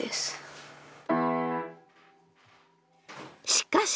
しかし。